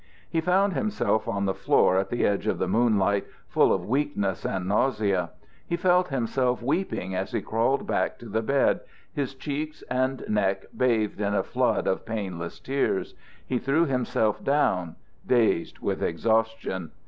He found himself on the floor at the edge of the moonlight, full of weakness and nausea. He felt himself weeping as he crawled back to the bed, his cheeks and neck bathed in a flood of painless tears. He threw himself down, dazed with exhaustion.